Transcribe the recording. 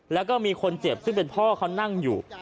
แล้วก็มีคนเจ็บซึ่งเป็นพ่อเขานั่งอยู่